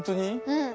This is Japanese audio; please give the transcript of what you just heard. うん。